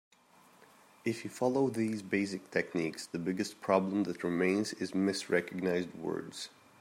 If you follow these basic techniques, the biggest problem that remains is misrecognized words.